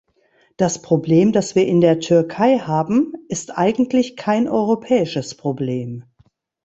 Das Problem, das wir in der Türkei haben, ist eigentlich kein europäisches Problem.